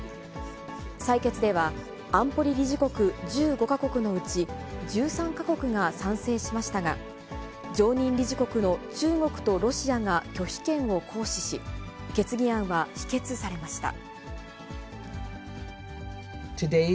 採決では、安保理理事国１５か国のうち、１３か国が賛成しましたが、常任理事国の中国とロシアが拒否権を行使し、決議案は否決されました。